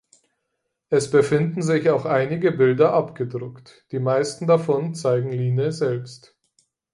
Es finden sich auch einige Bilder abgedruckt, die meisten davon zeigen Line selbst.